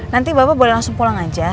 nanti bapak boleh langsung pulang aja